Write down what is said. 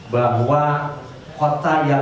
bahwa kota yang